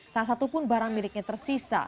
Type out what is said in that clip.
salah satu pun barang miliknya tersisa